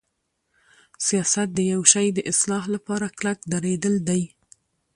سیاست د یوشی د اصلاح لپاره کلک دریدل دی.